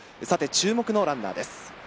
注目のランナーです。